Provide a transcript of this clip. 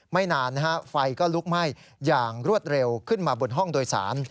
ไม่นานไฟก็ลุกไหม้อย่างรวดเร็วขึ้นมาบนห้องโดยสาร